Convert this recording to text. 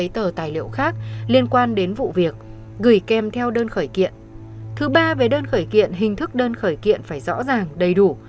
thứ ba về đơn khởi kiện hình thức đơn khởi kiện phải rõ ràng đầy đủ